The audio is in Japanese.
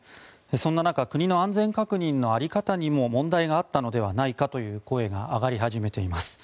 そんな中国の安全確認の在り方にも問題があったのではないかという声が上がり始めています。